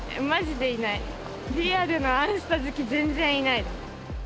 リアルな「あんスタ」好き全然いない。